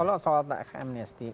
kalau soal tech amnesty